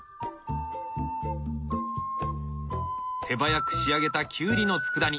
手早く仕上げたきゅうりのつくだ煮。